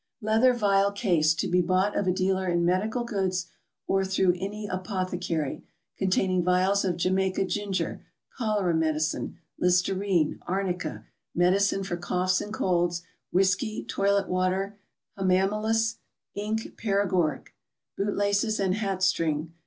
Leather vial case, to be bought of a dealer in medical goods or through any apothecary, containing vials of Jamaica ginger, cholera medicine, listerino, arnica, medicine for coughs and colds, whiskey, toilet water, hamamelis, ink, paregoric. Bootlaces and hat string.